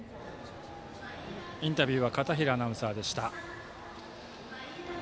インタビューは片平アナウンサーでした。